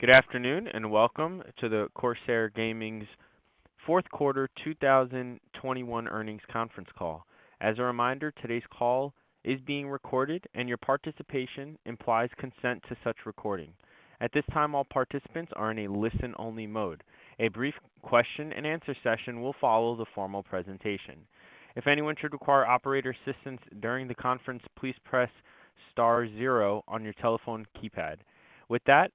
Good afternoon, and welcome to the Corsair Gaming's fourth quarter 2021 earnings conference call. As a reminder, today's call is being recorded, and your participation implies consent to such recording. At this time, all participants are in a listen-only mode. A brief question-and-answer session will follow the formal presentation. If anyone should require operator assistance during the conference, please press star-zero on your telephone keypad. With that,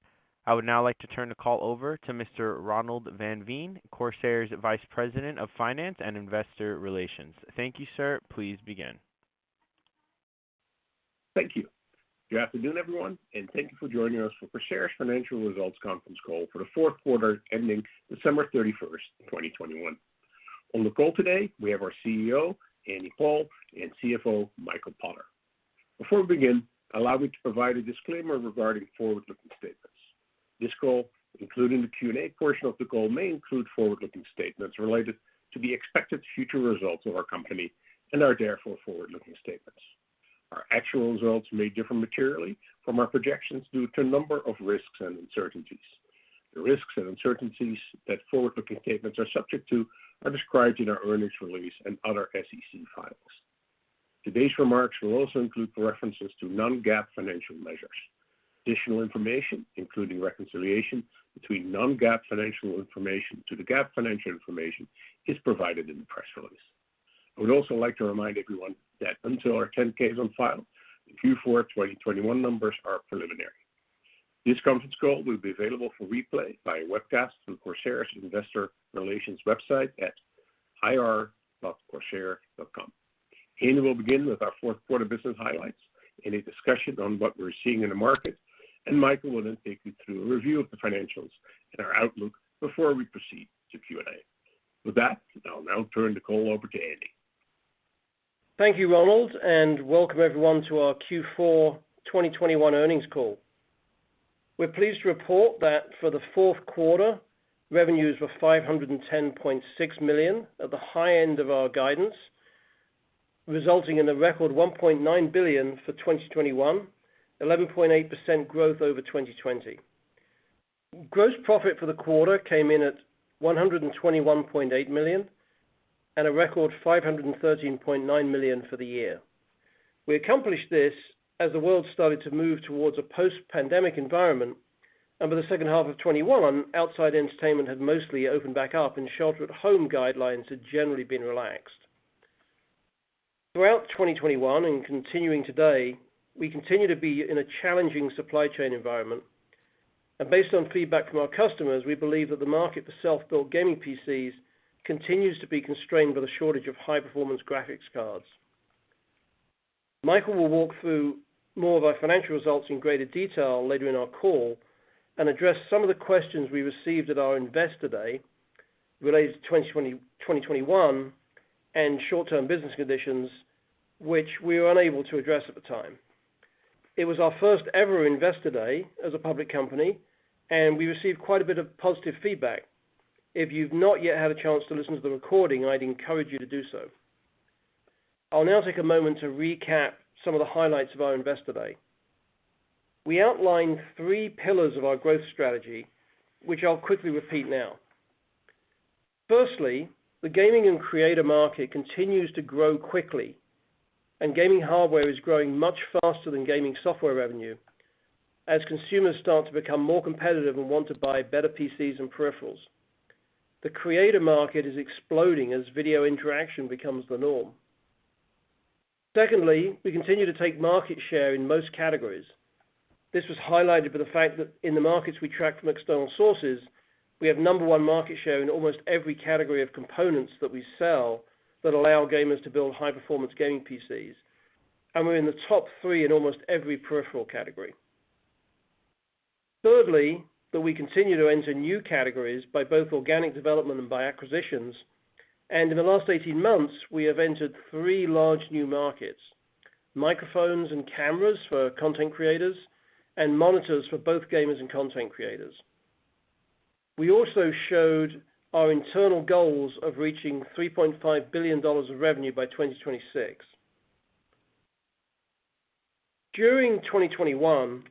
I would now like to turn the call over to Mr. Ronald van Veen, Corsair's Vice President of Finance and Investor Relations. Thank you, sir. Please begin. Thank you. Good afternoon, everyone, and thank you for joining us for Corsair's Financial Results Conference Call for the fourth quarter ending December 31, 2021. On the call today, we have our CEO, Andy Paul, and CFO, Michael Potter. Before we begin, allow me to provide a disclaimer regarding forward-looking statements. This call, including the Q&A portion of the call, may include forward-looking statements related to the expected future results of our company and are therefore forward-looking statements. Our actual results may differ materially from our projections due to a number of risks and uncertainties. The risks and uncertainties that forward-looking statements are subject to are described in our earnings release and other SEC filings. Today's remarks will also include references to non-GAAP financial measures. Additional information, including reconciliation between non-GAAP financial information to the GAAP financial information is provided in the press release. I would also like to remind everyone that until our 10-K is on file, the Q4 2021 numbers are preliminary. This conference call will be available for replay by webcast through Corsair's Investor Relations website at ir.corsair.com. Andy will begin with our fourth quarter business highlights and a discussion on what we're seeing in the market, and Michael will then take you through a review of the financials and our outlook before we proceed to Q&A. With that, I'll now turn the call over to Andy. Thank you, Ronald, and welcome everyone to our Q4 2021 earnings call. We're pleased to report that for the fourth quarter, revenues were $510.6 million at the high end of our guidance, resulting in a record $1.9 billion for 2021, 11.8% growth over 2020. Gross profit for the quarter came in at $121.8 million and a record $513.9 million for the year. We accomplished this as the world started to move towards a post-pandemic environment, and by the second half of 2021, outside entertainment had mostly opened back up and shelter-at-home guidelines had generally been relaxed. Throughout 2021 and continuing today, we continue to be in a challenging supply chain environment, and based on feedback from our customers, we believe that the market for self-built gaming PCs continues to be constrained by the shortage of high-performance graphics cards. Michael will walk through more of our financial results in greater detail later in our call and address some of the questions we received at our Investor Day related to 2020, 2021 and short-term business conditions which we were unable to address at the time. It was our first ever Investor Day as a public company, and we received quite a bit of positive feedback. If you've not yet had a chance to listen to the recording, I'd encourage you to do so. I'll now take a moment to recap some of the highlights of our Investor Day. We outlined three pillars of our growth strategy, which I'll quickly repeat now. Firstly, the gaming and creator market continues to grow quickly, and gaming hardware is growing much faster than gaming software revenue as consumers start to become more competitive and want to buy better PCs and peripherals. The creator market is exploding as video interaction becomes the norm. Secondly, we continue to take market share in most categories. This was highlighted by the fact that in the markets we track from external sources, we have number one market share in almost every category of components that we sell that allow gamers to build high-performance gaming PCs, and we're in the top three in almost every peripheral category. Thirdly, that we continue to enter new categories by both organic development and by acquisitions, and in the last 18 months, we have entered three large new markets: microphones and cameras for content creators and monitors for both gamers and content creators. We also showed our internal goals of reaching $3.5 billion of revenue by 2026. During 2021,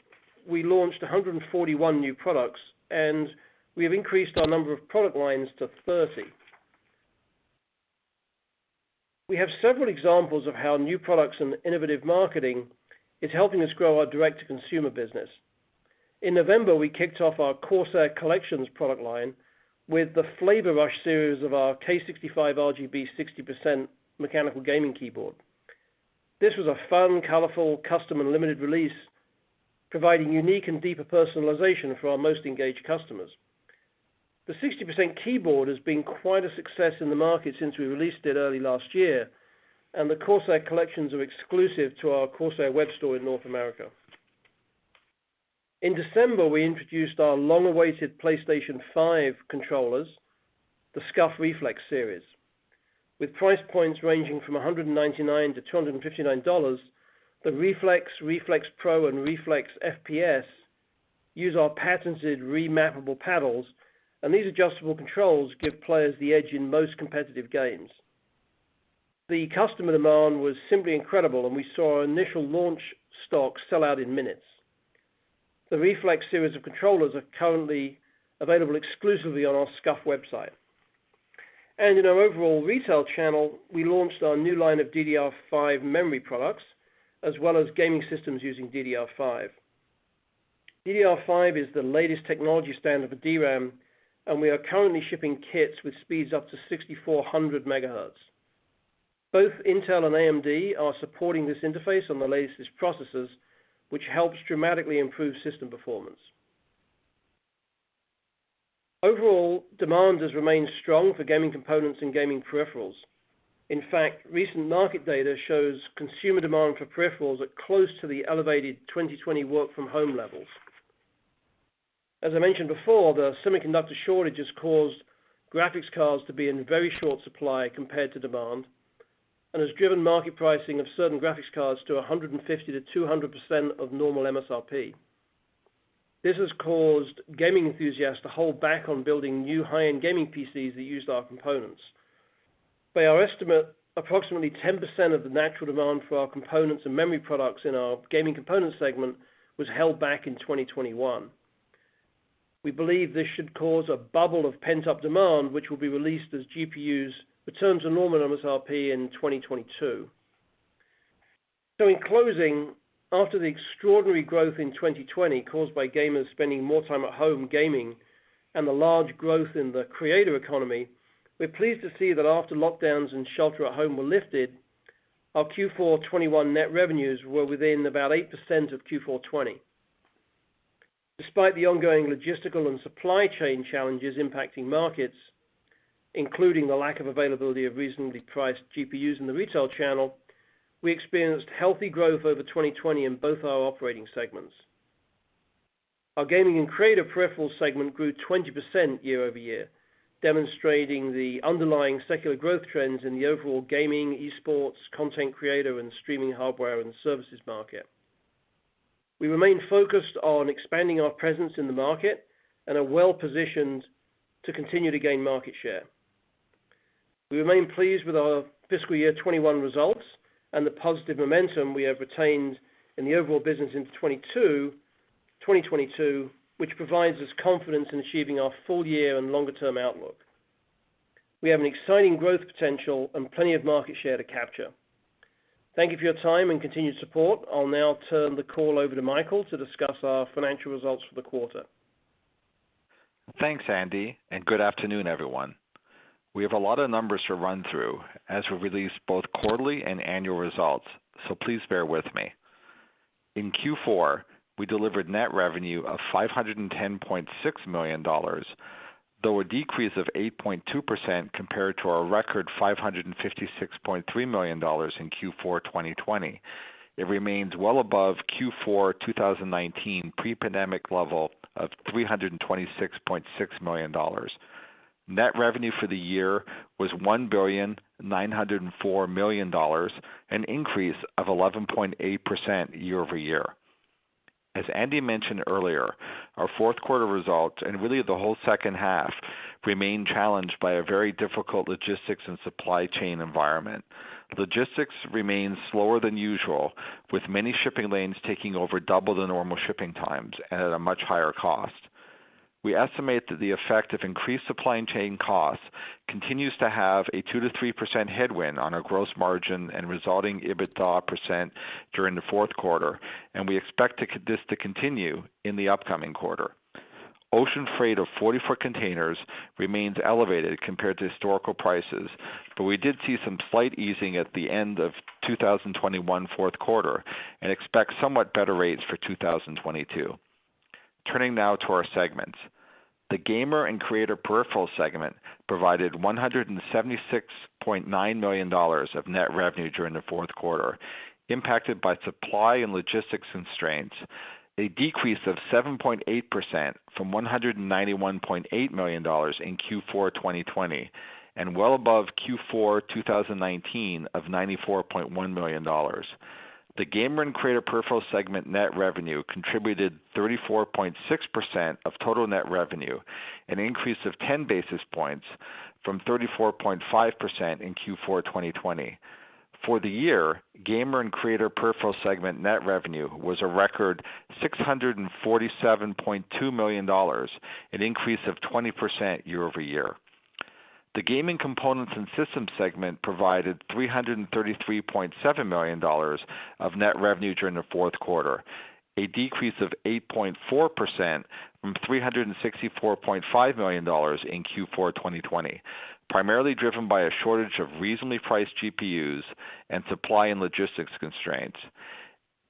we launched 141 new products, and we have increased our number of product lines to 30. We have several examples of how new products and innovative marketing is helping us grow our direct-to-consumer business. In November, we kicked off our Corsair Collections product line with the Flavor Rush series of our K65 RGB MINI mechanical gaming keyboard. This was a fun, colorful custom and limited release, providing unique and deeper personalization for our most engaged customers. The 60% keyboard has been quite a success in the market since we released it early last year, and the Corsair Collections are exclusive to our Corsair web store in North America. In December, we introduced our long-awaited PlayStation 5 controllers, the SCUF Reflex series. With price points ranging from $199-$259, the Reflex Pro, and Reflex FPS use our patented remappable paddles, and these adjustable controls give players the edge in most competitive games. The customer demand was simply incredible, and we saw initial launch stock sell out in minutes. The Reflex series of controllers are currently available exclusively on our SCUF website. In our overall retail channel, we launched our new line of DDR5 memory products, as well as gaming systems using DDR5. DDR5 is the latest technology standard for DRAM, and we are currently shipping kits with speeds up to 6400 MHz. Both Intel and AMD are supporting this interface on the latest processors, which helps dramatically improve system performance. Overall, demand has remained strong for gaming components and gaming peripherals. In fact, recent market data shows consumer demand for peripherals are close to the elevated 2020 work-from-home levels. As I mentioned before, the semiconductor shortages caused graphics cards to be in very short supply compared to demand and has driven market pricing of certain graphics cards to 150%-200% of normal MSRP. This has caused gaming enthusiasts to hold back on building new high-end gaming PCs that used our components. By our estimate, approximately 10% of the natural demand for our components and memory products in our gaming components segment was held back in 2021. We believe this should cause a bubble of pent-up demand, which will be released as GPUs return to normal MSRP in 2022. In closing, after the extraordinary growth in 2020 caused by gamers spending more time at home gaming and the large growth in the creator economy, we're pleased to see that after lockdowns and shelter at home were lifted, our Q4 2021 net revenues were within about 8% of Q4 2020. Despite the ongoing logistical and supply chain challenges impacting markets, including the lack of availability of reasonably priced GPUs in the retail channel, we experienced healthy growth over 2020 in both our operating segments. Our gaming and creator peripherals segment grew 20% year over year, demonstrating the underlying secular growth trends in the overall gaming, e-sports, content creator, and streaming hardware and services market. We remain focused on expanding our presence in the market and are well-positioned to continue to gain market share. We remain pleased with our fiscal year 2021 results and the positive momentum we have retained in the overall business into 2022, which provides us confidence in achieving our full year and longer term outlook. We have an exciting growth potential and plenty of market share to capture. Thank you for your time and continued support. I'll now turn the call over to Michael to discuss our financial results for the quarter. Thanks, Andy, and good afternoon, everyone. We have a lot of numbers to run through as we release both quarterly and annual results, so please bear with me. In Q4, we delivered net revenue of $510.6 million, though a decrease of 8.2% compared to our record $556.3 million in Q4 2020. It remains well above Q4 2019 pre-pandemic level of $326.6 million. Net revenue for the year was $1.904 billion, an increase of 11.8% year-over-year. As Andy mentioned earlier, our fourth quarter results, and really the whole second half, remain challenged by a very difficult logistics and supply chain environment. Logistics remains slower than usual, with many shipping lanes taking over double the normal shipping times at a much higher cost. We estimate that the effect of increased supply chain costs continues to have a 2%-3% headwind on our gross margin and resulting EBITDA percent during the fourth quarter, and we expect this to continue in the upcoming quarter. Ocean freight of 40 ft containers remains elevated compared to historical prices, but we did see some slight easing at the end of 2021 fourth quarter and expect somewhat better rates for 2022. Turning now to our segments. The Gamer and Creator Peripherals segment provided $176.9 million of net revenue during the fourth quarter, impacted by supply and logistics constraints, a decrease of 7.8% from $191.8 million in Q4 2020 and well above Q4 2019 of $94.1 million. The Gamer and Creator Peripherals segment net revenue contributed 34.6% of total net revenue, an increase of 10 basis points from 34.5% in Q4 2020. For the year, Gamer and Creator Peripherals segment net revenue was a record $647.2 million, an increase of 20% year-over-year. The gaming components and systems segment provided $333.7 million of net revenue during the fourth quarter, a decrease of 8.4% from $364.5 million in Q4 2020, primarily driven by a shortage of reasonably priced GPUs and supply and logistics constraints,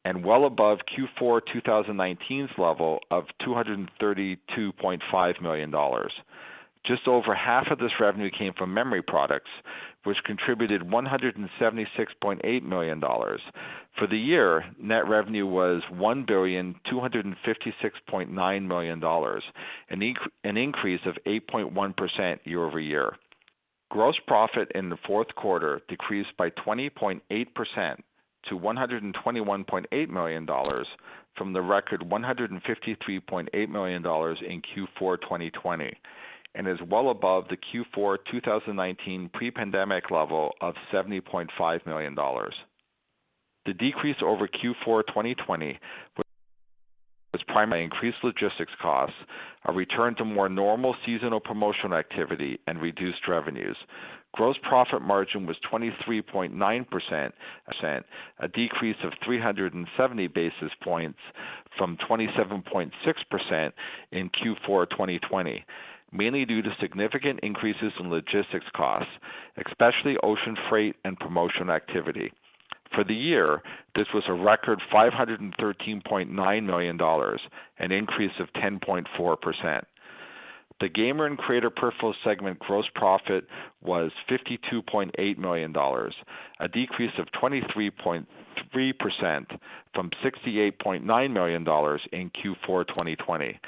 and well above Q4 2019's level of $232.5 million. Just over 1/2 of this revenue came from memory products, which contributed $176.8 million. For the year, net revenue was $1,256.9 million, an increase of 8.1% year-over-year. Gross profit in the fourth quarter decreased by 20.8% to $121.8 million from the record $153.8 million in Q4 2020, and is well above the Q4 2019 pre-pandemic level of $70.5 million. The decrease over Q4 2020 was primarily due to increased logistics costs as we returned to more normal seasonal promotional activity and reduced revenues. Gross profit margin was 23.9%, a decrease of 370 basis points from 27.6% in Q4 2020, mainly due to significant increases in logistics costs, especially ocean freight and promotional activity. For the year, this was a record $513.9 million, an increase of 10.4%. The Gamer and Creator Peripherals segment gross profit was $52.8 million, a decrease of 23.3% from $68.9 million in Q4 2020,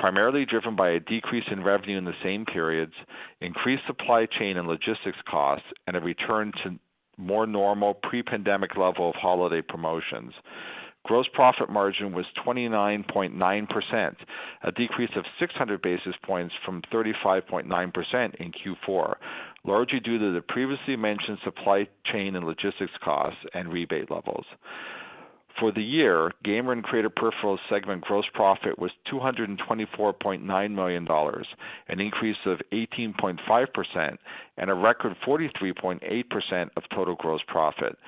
primarily driven by a decrease in revenue in the same periods, increased supply chain and logistics costs, and a return to more normal pre-pandemic level of holiday promotions. Gross profit margin was 29.9%, a decrease of 600 basis points from 35.9% in Q4, largely due to the previously mentioned supply chain and logistics costs and rebate levels. For the year, Gamer and Creator Peripherals segment gross profit was $224.9 million, an increase of 18.5% and a record 43.8% of total gross profit.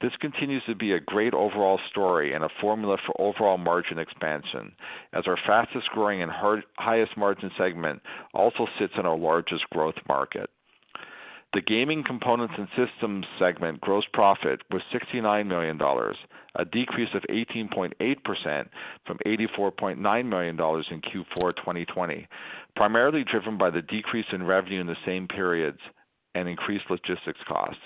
This continues to be a great overall story and a formula for overall margin expansion, as our fastest growing and highest margin segment also sits in our largest growth market. The Gaming Components and Systems segment gross profit was $69 million, a decrease of 18.8% from $84.9 million in Q4 2020, primarily driven by the decrease in revenue in the same periods and increased logistics costs.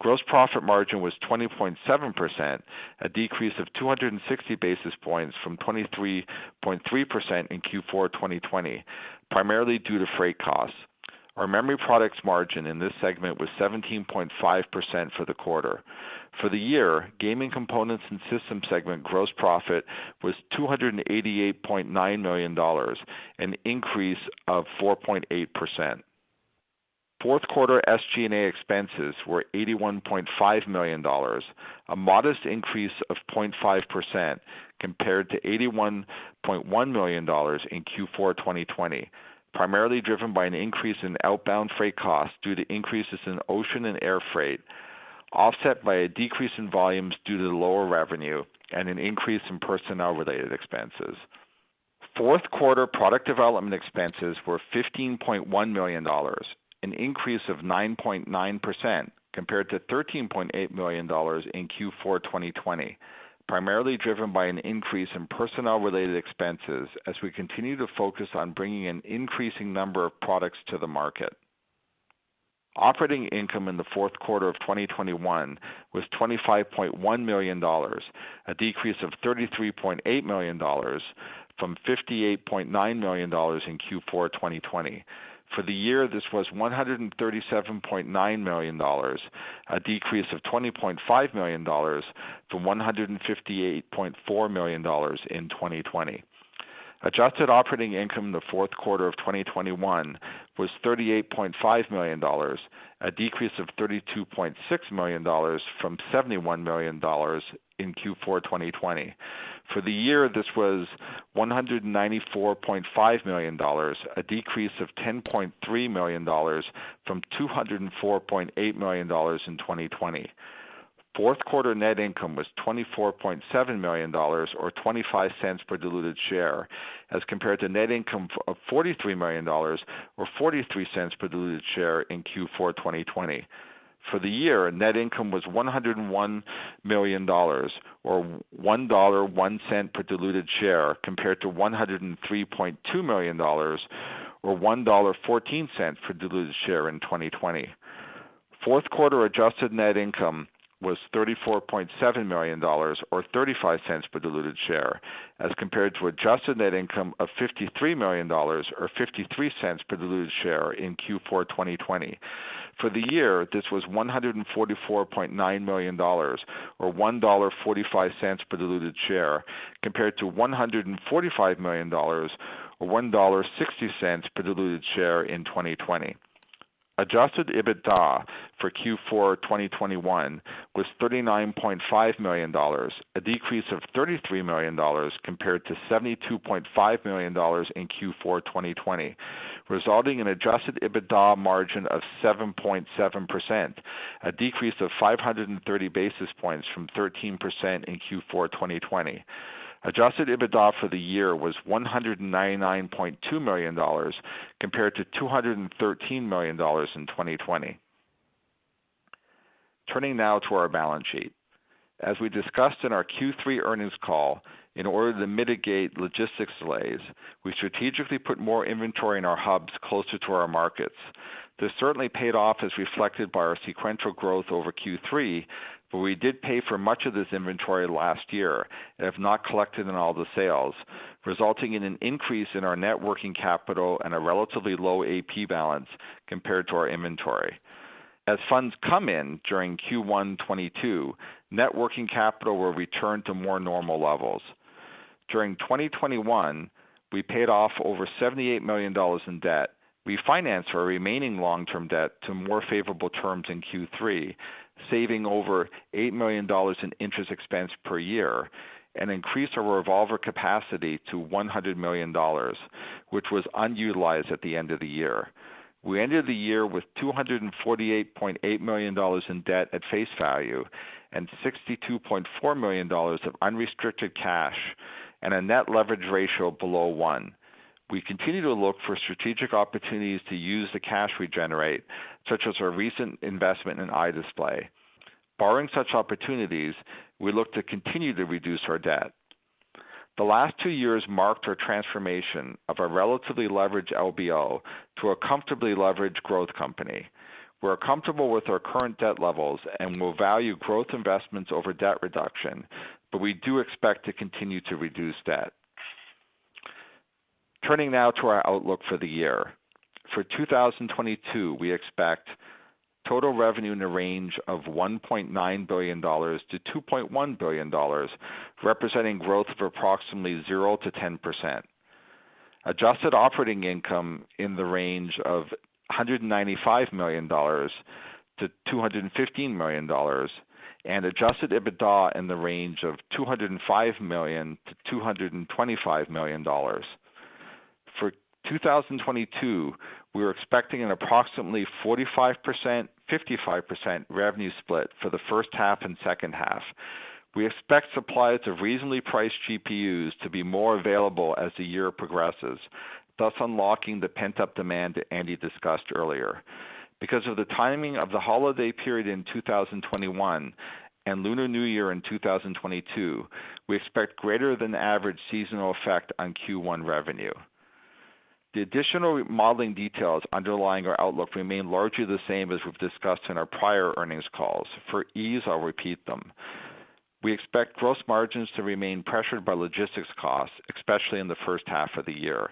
Gross profit margin was 20.7%, a decrease of 260 basis points from 23.3% in Q4 2020, primarily due to freight costs. Our memory products margin in this segment was 17.5% for the quarter. For the year, Gaming Components and Systems segment gross profit was $288.9 million, an increase of 4.8%. Fourth quarter SG&A expenses were $81.5 million, a modest increase of 0.5% compared to $81.1 million in Q4 2020, primarily driven by an increase in outbound freight costs due to increases in ocean and air freight, offset by a decrease in volumes due to the lower revenue and an increase in personnel-related expenses. Fourth quarter product development expenses were $15.1 million, an increase of 9.9% compared to $13.8 million in Q4 2020, primarily driven by an increase in personnel-related expenses as we continue to focus on bringing an increasing number of products to the market. Operating income in the fourth quarter of 2021 was $25.1 million, a decrease of $33.8 million from $58.9 million in Q4 2020. For the year, this was $137.9 million, a decrease of $20.5 million from $158.4 million in 2020. Adjusted operating income in the fourth quarter of 2021 was $38.5 million, a decrease of $32.6 million from $71 million in Q4 2020. For the year, this was $194.5 million, a decrease of $10.3 million from $204.8 million in 2020. Fourth quarter net income was $24.7 million or $0.25 per diluted share as compared to net income of $43 million or $0.43 per diluted share in Q4 2020. For the year, net income was $101 million or $1.01 per diluted share compared to $103.2 million or $1.14 per diluted share in 2020. Fourth quarter adjusted net income was $34.7 million or $0.35 per diluted share as compared to adjusted net income of $53 million or $0.53 per diluted share in Q4 2020. For the year, this was $144.9 million or $1.45 per diluted share compared to $145 million or $1.60 per diluted share in 2020. Adjusted EBITDA for Q4 2021 was $39.5 million, a decrease of $33 million compared to $72.5 million in Q4 2020, resulting in adjusted EBITDA margin of 7.7%, a decrease of 530 basis points from 13% in Q4 2020. Adjusted EBITDA for the year was $199.2 million compared to $213 million in 2020. Turning now to our balance sheet. As we discussed in our Q3 earnings call, in order to mitigate logistics delays, we strategically put more inventory in our hubs closer to our markets. This certainly paid off as reflected by our sequential growth over Q3, but we did pay for much of this inventory last year and have not collected on all the sales, resulting in an increase in our net working capital and a relatively low AP balance compared to our inventory. As funds come in during Q1 2022, net working capital will return to more normal levels. During 2021, we paid off over $78 million in debt. We financed our remaining long-term debt to more favorable terms in Q3, saving over $8 million in interest expense per year and increased our revolver capacity to $100 million, which was unutilized at the end of the year. We ended the year with $248.8 million in debt at face value and $62.4 million of unrestricted cash and a net leverage ratio below 1. We continue to look for strategic opportunities to use the cash we generate, such as our recent investment in iDisplay. Barring such opportunities, we look to continue to reduce our debt. The last two years marked our transformation of a relatively leveraged LBO to a comfortably leveraged growth company. We're comfortable with our current debt levels and will value growth investments over debt reduction, but we do expect to continue to reduce debt. Turning now to our outlook for the year. For 2022, we expect total revenue in the range of $1.9 billion-$2.1 billion, representing growth of approximately 0%-10%. Adjusted operating income in the range of $195 million-$215 million and adjusted EBITDA in the range of $205 million-$225 million. For 2022, we are expecting an approximately 45%/55% revenue split for the first half and second half. We expect supply of reasonably priced GPUs to be more available as the year progresses, thus unlocking the pent-up demand that Andy discussed earlier. Because of the timing of the holiday period in 2021 and Lunar New Year in 2022, we expect greater than average seasonal effect on Q1 revenue. The additional modeling details underlying our outlook remain largely the same as we've discussed in our prior earnings calls. For ease, I'll repeat them. We expect gross margins to remain pressured by logistics costs, especially in the H1 of the year.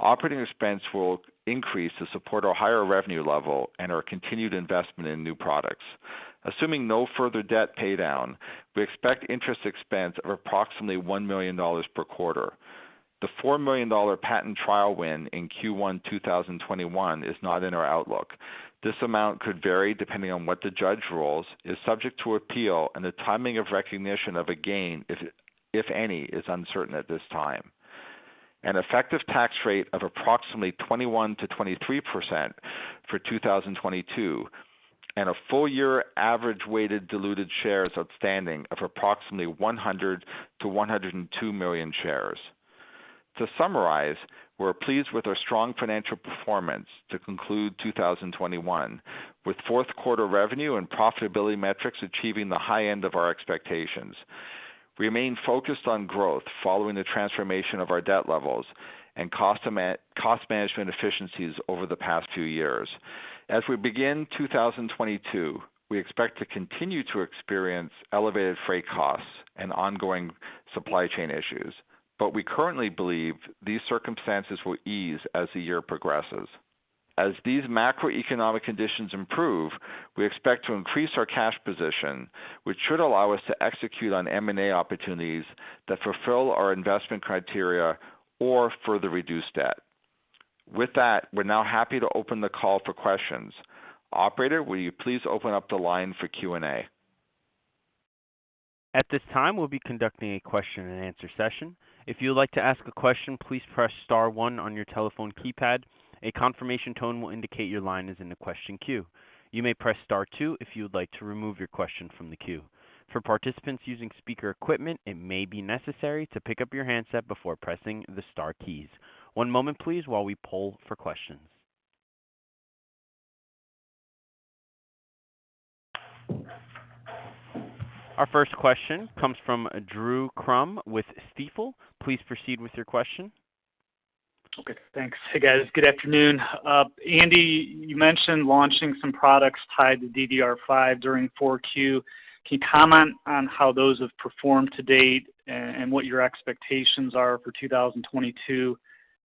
Operating expense will increase to support our higher revenue level and our continued investment in new products. Assuming no further debt paydown, we expect interest expense of approximately $1 million per quarter. The $4 million patent trial win in Q1 2021 is not in our outlook. This amount could vary depending on what the judge rules, is subject to appeal, and the timing of recognition of a gain, if any, is uncertain at this time. An effective tax rate of approximately 21%-23% for 2022, and a full year average weighted diluted shares outstanding of approximately 100 million-102 million shares. To summarize, we're pleased with our strong financial performance to conclude 2021, with fourth quarter revenue and profitability metrics achieving the high end of our expectations. We remain focused on growth following the transformation of our debt levels and cost management efficiencies over the past two years. As we begin 2022, we expect to continue to experience elevated freight costs and ongoing supply chain issues, but we currently believe these circumstances will ease as the year progresses. As these macroeconomic conditions improve, we expect to increase our cash position, which should allow us to execute on M&A opportunities that fulfill our investment criteria or further reduce debt. With that, we're now happy to open the call for questions. Operator, will you please open up the line for Q&A? At this time, we'll be conducting a question and answer session. If you would like to ask a question, please press star one on your telephone keypad. A confirmation tone will indicate your line is in the question queue. You may press star two if you would like to remove your question from the queue. For participants using speaker equipment, it may be necessary to pick up your handset before pressing the star keys. One moment please while we poll for questions. Our first question comes from Drew Crum with Stifel. Please proceed with your question. Okay, thanks. Hey, guys, good afternoon. Andy, you mentioned launching some products tied to DDR5 during four Q. Can you comment on how those have performed to date and what your expectations are for 2022?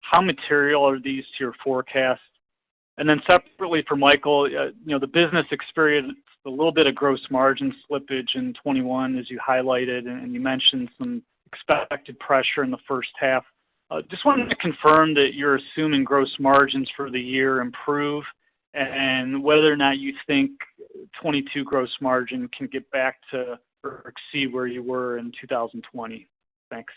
How material are these to your forecast? Then separately for Michael, you know, the business experienced a little bit of gross margin slippage in 2021, as you highlighted, and you mentioned some expected pressure in the H1. Just wanted to confirm that you're assuming gross margins for the year improve and whether or not you think 2022 gross margin can get back to or exceed where you were in 2020. Thanks.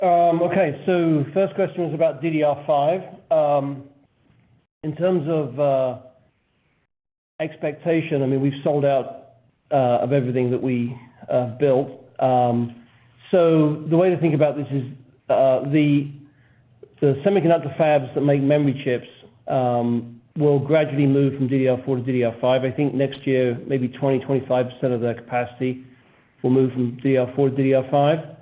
First question was about DDR5. In terms of expectation, I mean, we've sold out of everything that we built. The way to think about this is, the semiconductor fabs that make memory chips will gradually move from DDR4 to DDR5. I think next year, maybe 25% of their capacity will move from DDR4 to DDR5.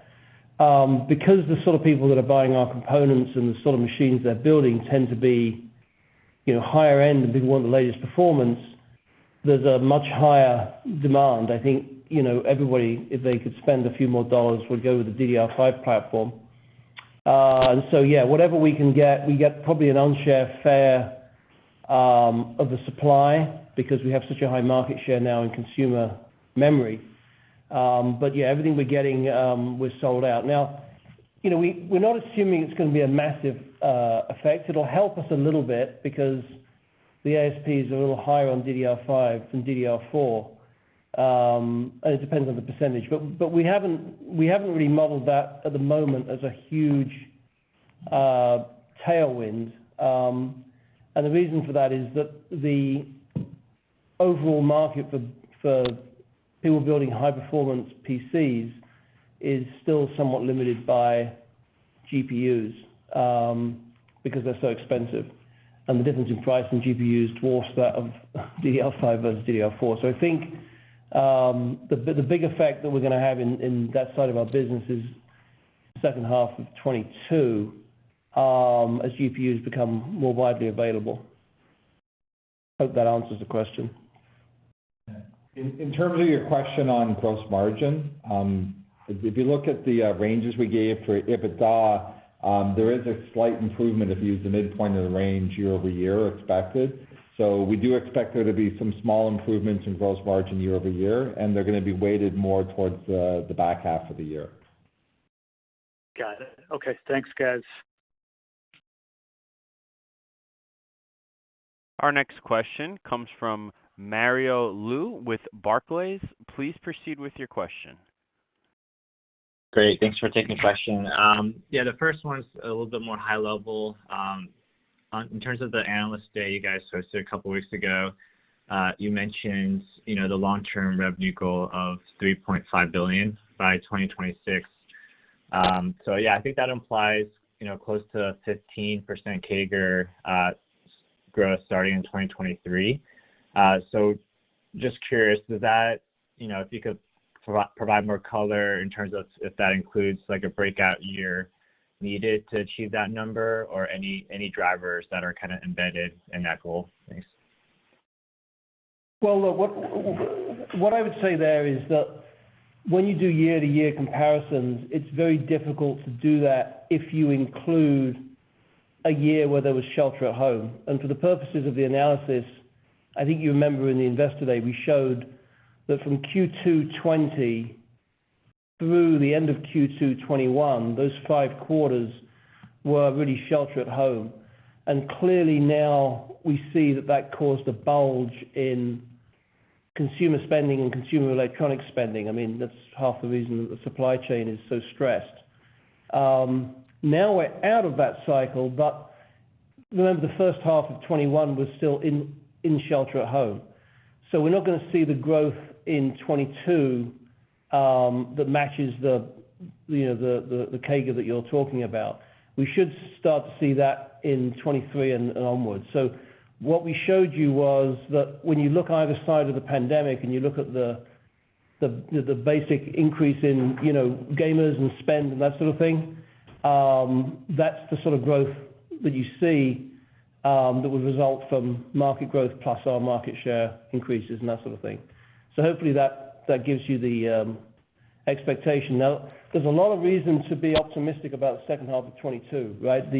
Because the sort of people that are buying our components and the sort of machines they're building tend to be, you know, higher end and people want the latest performance, there's a much higher demand. I think, you know, everybody, if they could spend a few more dollars, would go with the DDR5 platform. Whatever we can get, we get probably an unfair share of the supply because we have such a high market share now in consumer memory. But yeah, everything we're getting was sold out. Now, you know, we're not assuming it's gonna be a massive effect. It'll help us a little bit because the ASP is a little higher on DDR5 than DDR4. It depends on the percentage. But we haven't really modeled that at the moment as a huge tailwind. The reason for that is that the overall market for people building high performance PCs is still somewhat limited by GPUs because they're so expensive. The difference in price in GPUs dwarfs that of DDR5 versus DDR4. I think, the big effect that we're gonna have in that side of our business is second half of 2022, as GPUs become more widely available. Hope that answers the question. In terms of your question on gross margin, if you look at the ranges we gave for EBITDA, there is a slight improvement if you use the midpoint of the range year-over-year expected. We do expect there to be some small improvements in gross margin year-over-year, and they're gonna be weighted more towards the back half of the year. Got it. Okay. Thanks, guys. Our next question comes from Mario Lu with Barclays. Please proceed with your question. Great. Thanks for taking the question. Yeah, the first one's a little bit more high level. In terms of the Analyst Day you guys hosted a couple weeks ago, you mentioned, you know, the long-term revenue goal of $3.5 billion by 2026. Yeah, I think that implies, you know, close to 15% CAGR growth starting in 2023. Just curious, does that, you know, if you could provide more color in terms of if that includes like a breakout year needed to achieve that number or any drivers that are kinda embedded in that goal? Thanks. Well, look, what I would say there is that when you do year-to-year comparisons, it's very difficult to do that if you include a year where there was shelter at home. For the purposes of the analysis, I think you remember in the Investor Day, we showed that from Q2 2020 through the end of Q2 2021, those five quarters were really shelter at home. Clearly now we see that that caused a bulge in consumer spending and consumer electronic spending. I mean, that's half the reason that the supply chain is so stressed. Now we're out of that cycle, but remember, the H1 of 2021 was still in shelter at home. We're not gonna see the growth in 2022 that matches the, you know, the CAGR that you're talking about. We should start to see that in 2023 and onwards. What we showed you was that when you look either side of the pandemic and you look at the basic increase in, you know, gamers and spend and that sort of thing, that's the sort of growth that you see that would result from market growth plus our market share increases and that sort of thing. Hopefully that gives you the expectation. Now, there's a lot of reason to be optimistic about the second half of 2022, right?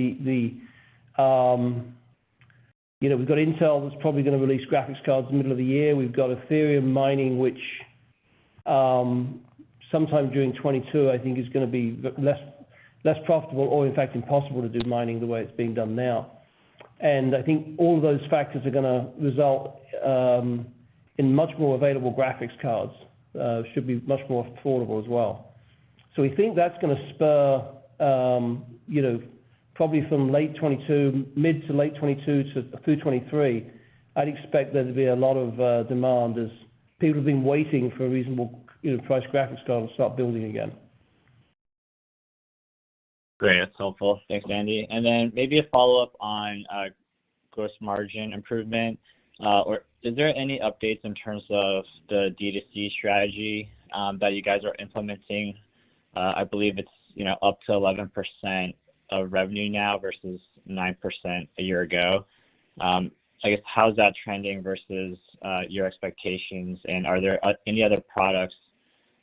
You know, we've got Intel that's probably gonna release graphics cards in the middle of the year. We've got Ethereum mining, which sometime during 2022, I think is gonna be less profitable or in fact impossible to do mining the way it's being done now. I think all of those factors are gonna result in much more available graphics cards. They should be much more affordable as well. We think that's gonna spur you know, probably mid to late 2022 through 2023, I'd expect there to be a lot of demand as people have been waiting for a reasonable you know, priced graphics card to start building again. Great. That's helpful. Thanks, Andy. Maybe a follow-up on gross margin improvement. Is there any updates in terms of the D2C strategy that you guys are implementing? I believe it's, you know, up to 11% of revenue now versus 9% a year ago. I guess how is that trending versus your expectations? Are there any other products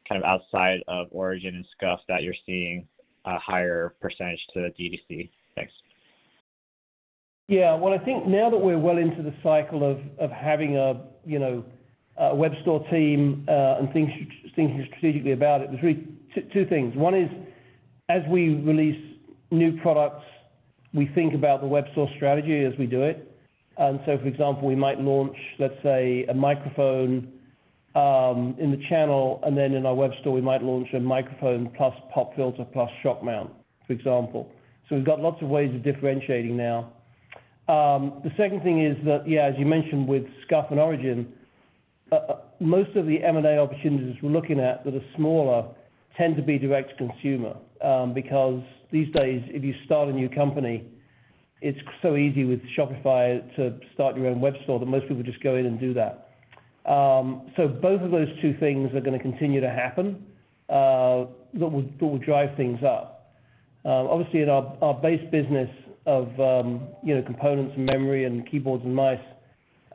kind of outside of ORIGIN and SCUF that you're seeing a higher percentage to D2C? Thanks. I think now that we're well into the cycle of having a you know a web store team and thinking strategically about it, there's really two things. One is, as we release new products, we think about the web store strategy as we do it. For example, we might launch, let's say, a microphone in the channel, and then in our web store, we might launch a microphone plus pop filter plus shock mount, for example. We've got lots of ways of differentiating now. The second thing is that, yeah, as you mentioned with SCUF and ORIGIN, most of the M&A opportunities we're looking at that are smaller tend to be direct to consumer. Because these days, if you start a new company, it's so easy with Shopify to start your own web store that most people just go in and do that. Both of those two things are gonna continue to happen, that will drive things up. Obviously in our base business of, you know, components and memory and keyboards and mice.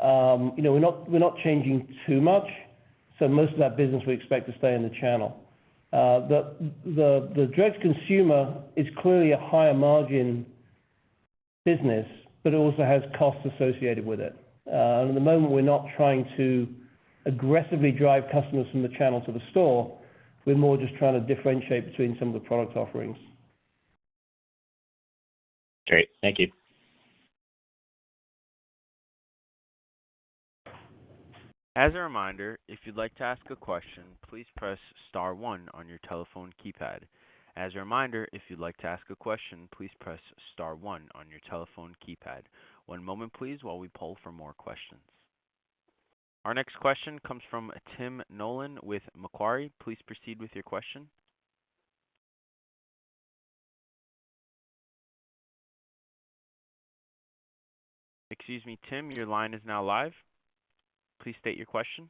You know, we're not changing too much, so most of that business we expect to stay in the channel. The direct consumer is clearly a higher margin business, but it also has costs associated with it. At the moment we're not trying to aggressively drive customers from the channel to the store. We're more just trying to differentiate between some of the product offerings. Great. Thank you. As a reminder, if you'd like to ask a question, please press star one on your telephone keypad. One moment please while we poll for more questions. Our next question comes from Tim Nollen with Macquarie. Please proceed with your question. Excuse me, Tim. Your line is now live. Please state your question.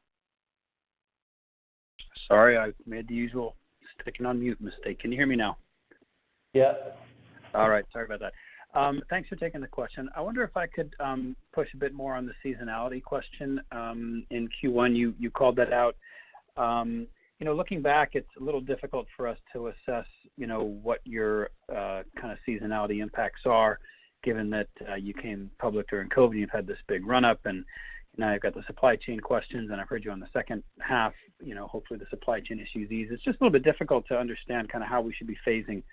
Sorry, I made the usual sticking on mute mistake. Can you hear me now? Yeah. All right. Sorry about that. Thanks for taking the question. I wonder if I could push a bit more on the seasonality question in Q1 you called that out. You know, looking back, it's a little difficult for us to assess, you know, what your kind of seasonality impacts are given that you came public during COVID, you've had this big run up and now you've got the supply chain questions, and I've heard you on the second half. You know, hopefully the supply chain issues ease. It's just a little bit difficult to understand kind of how we should be phasing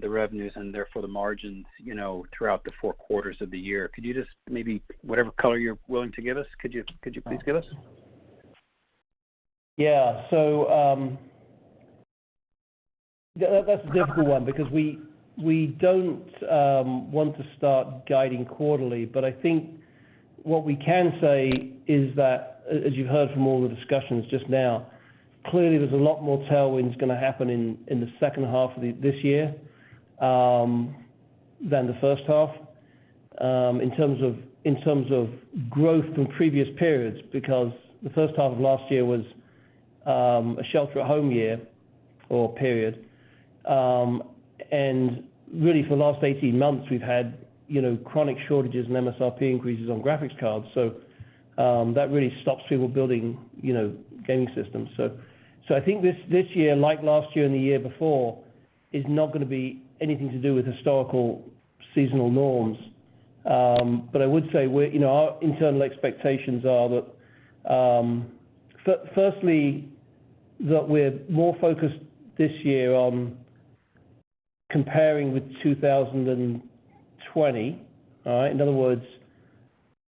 the revenues and therefore the margins, you know, throughout the four quarters of the year. Whatever color you're willing to give us, could you please give us? Yeah. That's a difficult one because we don't want to start guiding quarterly. I think what we can say is that as you've heard from all the discussions just now, clearly there's a lot more tailwinds gonna happen in the H2 of this year than the H1 in terms of growth from previous periods because the H1 of last year was a shelter at home year or period. Really for the last 18 months we've had, you know, chronic shortages and MSRP increases on graphics cards, so that really stops people building, you know, gaming systems. I think this year, like last year and the year before, is not gonna be anything to do with historical seasonal norms. I would say we're you know, our internal expectations are that firstly, that we're more focused this year on comparing with 2020, all right? In other words,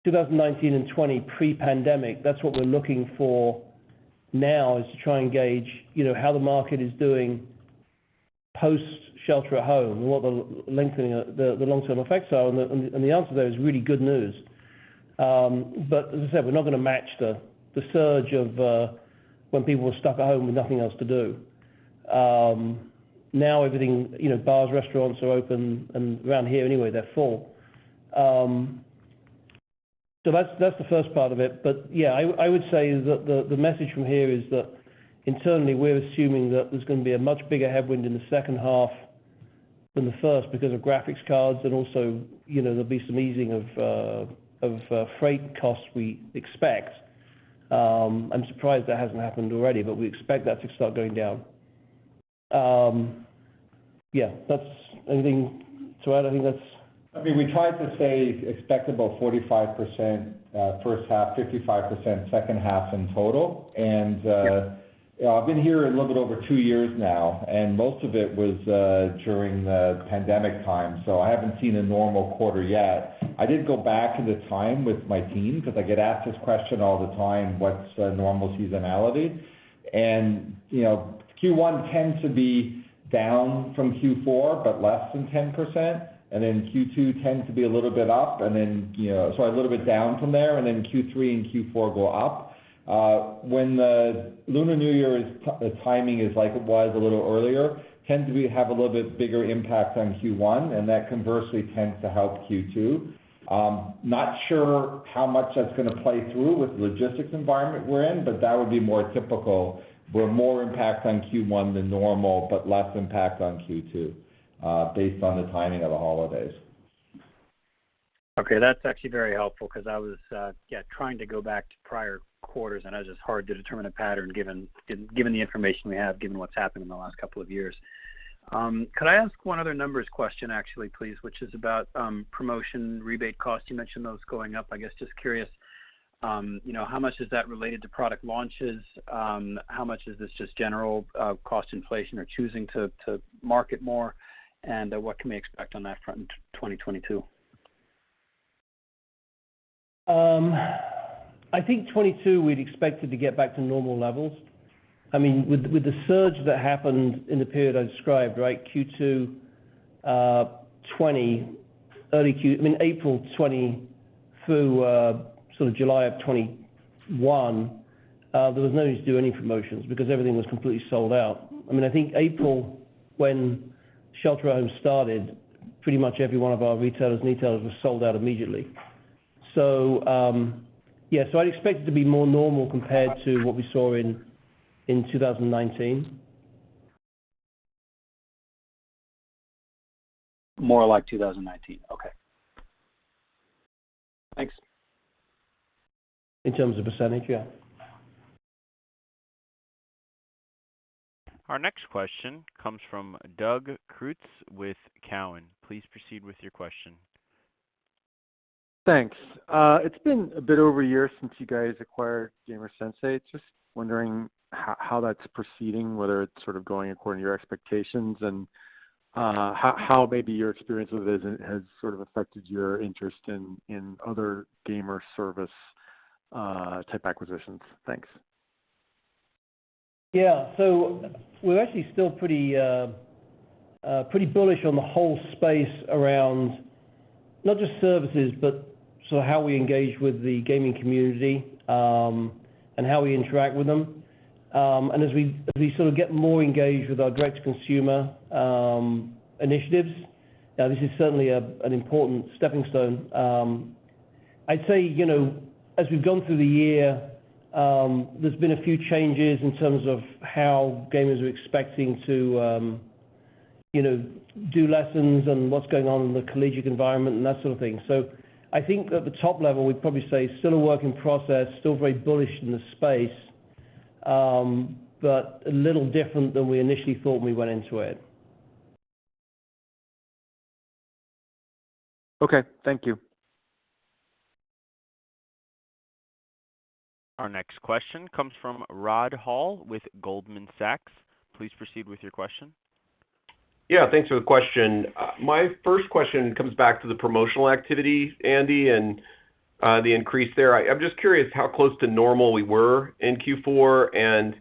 2019 and 2020 pre-pandemic, that's what we're looking for now is to try and gauge, you know, how the market is doing post shelter at home and what the long-term effects are. The answer there is really good news. As I said, we're not gonna match the surge of when people were stuck at home with nothing else to do. Now everything, you know, bars, restaurants are open, and around here anyway, they're full. That's the first part of it. Yeah, I would say that the message from here is that internally we're assuming that there's gonna be a much bigger headwind in the second half than the first because of graphics cards and also, you know, there'll be some easing of freight costs we expect. I'm surprised that hasn't happened already, but we expect that to start going down. Yeah, anything to add? I think that's I mean, we tried to say expect about 45%, H1, 55% H2 in total. You know, I've been here a little bit over two years now, and most of it was during the pandemic time, so I haven't seen a normal quarter yet. I did go back to the time with my team because I get asked this question all the time, "What's a normal seasonality?" You know, Q1 tends to be down from Q4, but less than 10%. Q2 tends to be a little bit up, and then you know, so a little bit down from there. Q3 and Q4 go up. When the Lunar New Year timing is like it was a little earlier, tends to have a little bit bigger impact on Q1, and that conversely tends to help Q2. Not sure how much that's gonna play through with the logistics environment we're in, but that would be more typical, where more impact on Q1 than normal, but less impact on Q2, based on the timing of the holidays. Okay. That's actually very helpful because I was yeah trying to go back to prior quarters, and it was just hard to determine a pattern given the information we have, given what's happened in the last couple of years. Could I ask one other numbers question actually, please, which is about promotion rebate costs. You mentioned those going up. I guess just curious you know how much is that related to product launches. How much is this just general cost inflation or choosing to market more. What can we expect on that front in 2022? I think 2022 we'd expect it to get back to normal levels. I mean, with the surge that happened in the period I described, right? Q2 2020, I mean April 2020 through sort of July of 2021, there was no need to do any promotions because everything was completely sold out. I mean, I think April, when shelter at home started, pretty much every one of our retailers and e-tailers was sold out immediately. Yeah. I'd expect it to be more normal compared to what we saw in 2019. More like 2019. Okay. Thanks. In terms of percentage, yeah. Our next question comes from Doug Creutz with Cowen. Please proceed with your question. Thanks. It's been a bit over a year since you guys acquired GamerSensei. Just wondering how that's proceeding, whether it's sort of going according to your expectations, and how maybe your experience with it has sort of affected your interest in other gamer service type acquisitions. Thanks. Yeah. We're actually still pretty bullish on the whole space around not just services, but sort of how we engage with the gaming community, and how we interact with them. As we sort of get more engaged with our direct consumer initiatives, this is certainly an important stepping stone. I'd say, you know, as we've gone through the year, there's been a few changes in terms of how gamers are expecting to, you know, do lessons and what's going on in the collegiate environment and that sort of thing. I think at the top level, we'd probably say still a work in process, still very bullish in the space, but a little different than we initially thought when we went into it. Okay, thank you. Our next question comes from Rod Hall with Goldman Sachs. Please proceed with your question. Yeah, thanks for the question. My first question comes back to the promotional activity, Andy, and the increase there. I'm just curious how close to normal we were in Q4 and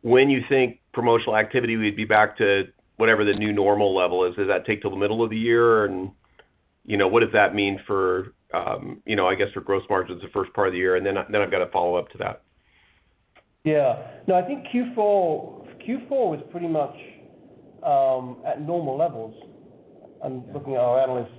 when you think promotional activity would be back to whatever the new normal level is. Does that take till the middle of the year? You know, what does that mean for, you know, I guess, for gross margins the first part of the year, and then I've got a follow-up to that. Yeah. No, I think Q4 was pretty much at normal levels. I'm looking at our analysts.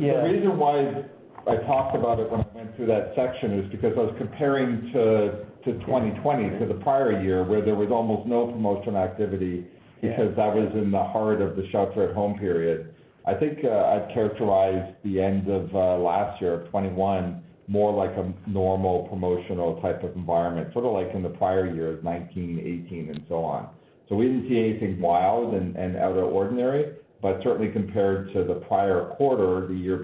Yeah. The reason why I talked about it when I went through that section is because I was comparing to 2020, to the prior year, where there was almost no promotional activity. Yeah. Because that was in the heart of the shelter at home period. I think I'd characterize the end of 2021 more like a normal promotional type of environment, sort of like in the prior years, 2019, 2018, and so on. We didn't see anything wild and out of ordinary, but certainly compared to the prior quarter, the year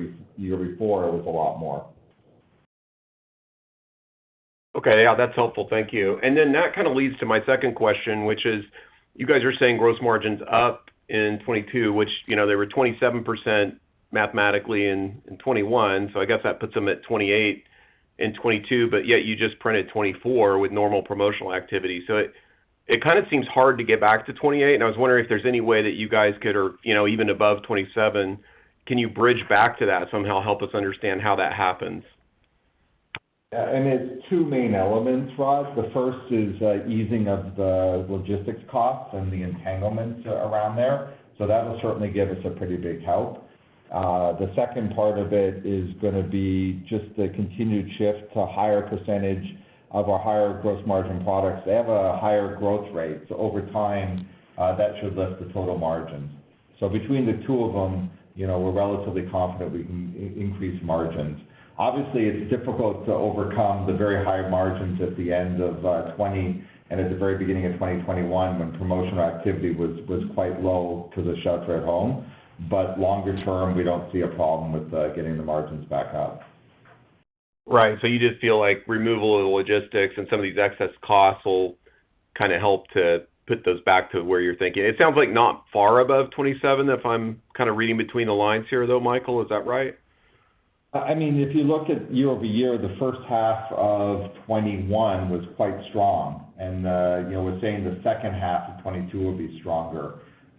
before, it was a lot more. Okay. Yeah, that's helpful. Thank you. That kind of leads to my second question, which is you guys are saying gross margins up in 2022, which, you know, they were 27% mathematically in 2021, so I guess that puts them at 28% in 2022, but yet you just printed 24% with normal promotional activity. It kind of seems hard to get back to 28%, and I was wondering if there's any way that you guys could or, you know, even above 27%, can you bridge back to that somehow, help us understand how that happens? Yeah. It's two main elements, Rod. The first is easing of the logistics costs and the entanglements around there. That'll certainly give us a pretty big help. The second part of it is gonna be just the continued shift to higher percentage of our higher gross margin products. They have a higher growth rate, so over time that should lift the total margins. Between the two of them, you know, we're relatively confident we can increase margins. Obviously, it's difficult to overcome the very high margins at the end of 2020 and at the very beginning of 2021 when promotional activity was quite low due to the shelter-at-home. Longer term, we don't see a problem with getting the margins back up. Right. You just feel like removal of the logistics and some of these excess costs will kinda help to put those back to where you're thinking. It sounds like not far above 27, if I'm kinda reading between the lines here, though, Michael. Is that right? I mean, if you look at year-over-year, the H1 of 2021 was quite strong. You know, we're saying the H2 of 2022 will be stronger.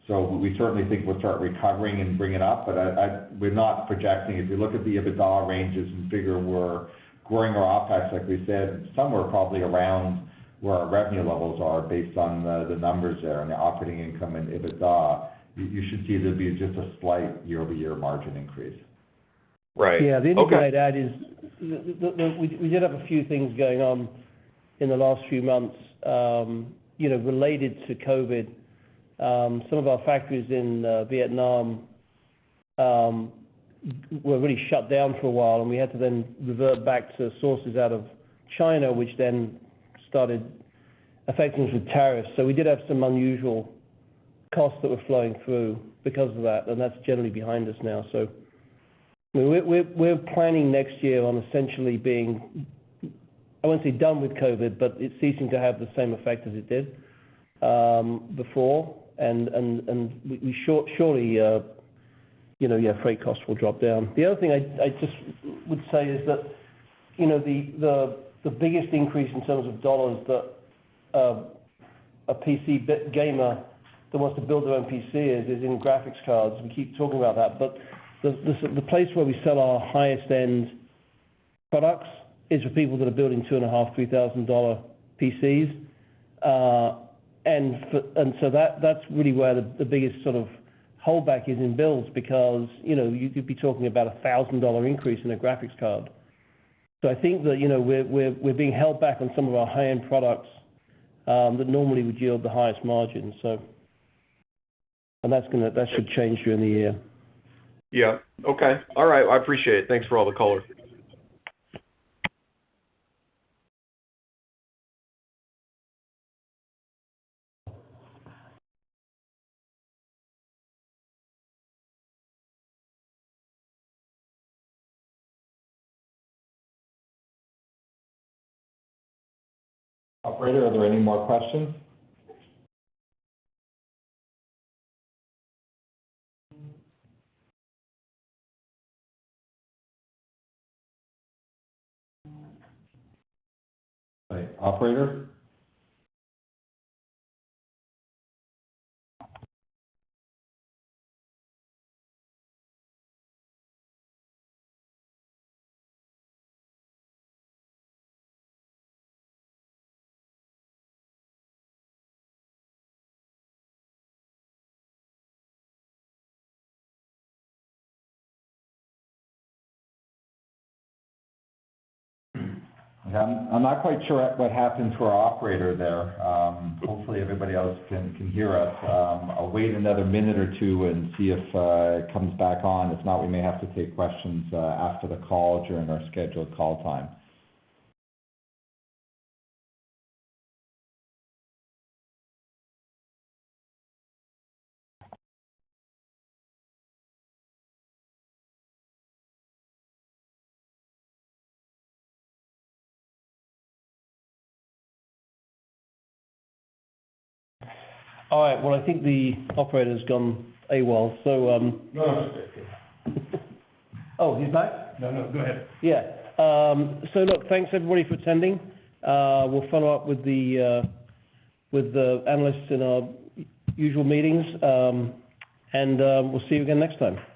We certainly think we'll start recovering and bring it up, but we're not projecting. If you look at the EBITDA ranges and figure we're growing our OpEx like we said, somewhere probably around where our revenue levels are based on the numbers there and the operating income and EBITDA, you should see there'll be just a slight year-over-year margin increase. Right. Okay. Yeah. The only thing I'd add is we did have a few things going on in the last few months, you know, related to COVID. Some of our factories in Vietnam were really shut down for a while, and we had to then revert back to sources out of China, which then started affecting us with tariffs. We did have some unusual costs that were flowing through because of that, and that's generally behind us now. We're planning next year on essentially being. I wouldn't say done with COVID, but it ceasing to have the same effect as it did before. We shortly, surely, you know, yeah, freight costs will drop down. The other thing I just would say is that, you know, the biggest increase in terms of dollars that a PC gamer that wants to build their own PC is in graphics cards. We keep talking about that. But the place where we sell our highest end products is for people that are building $2,500-$3,000 PCs. And so that's really where the biggest sort of holdback is in builds because, you know, you could be talking about a $1,000 increase in a graphics card. So I think that, you know, we're being held back on some of our high-end products that normally would yield the highest margins. And that should change during the year. Yeah. Okay. All right. I appreciate it. Thanks for all the color. Operator, are there any more questions? Okay. Operator? I'm not quite sure what happened to our operator there. Hopefully everybody else can hear us. I'll wait another minute or two and see if it comes back on. If not, we may have to take questions after the call during our scheduled call time. All right. Well, I think the operator's gone AWOL. No, no. Oh, he's back? No, no. Go ahead. Look, thanks everybody for attending. We'll follow up with the analysts in our usual meetings. We'll see you again next time.